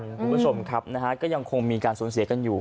คุณผู้ชมครับนะฮะก็ยังคงมีการสูญเสียกันอยู่